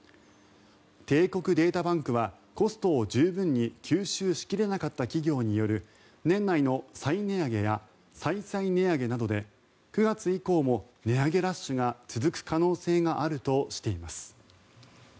帝国データバンクはコストを十分に吸収しきれなかった企業による年内の再値上げや再々値上げなどで９月以降も値上げラッシュが続く可能性があるとしています。